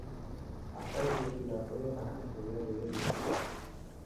আশাও দ্বিরুক্তি না করিয়া তাঁহাকে ধরিয়া লইয়া নীচে চলিল।